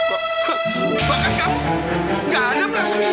bahkan kamu tidak ada merasa hilang